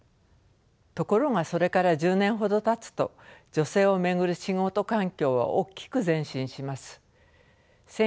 ところがそれから１０年ほどたつと女性を巡る仕事環境は大きく前進します。